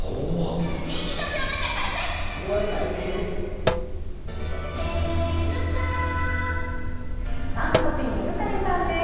ニトリ「Ｓｕｎトピ」、水谷さんです。